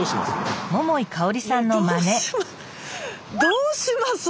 どうします？